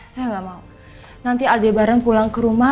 saya nggak mau nanti aldebaran pulang ke rumah